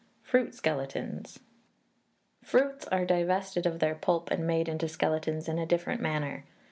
Fruit Skeletons. Fruits are divested of their pulp and made into skeletons in a different manner.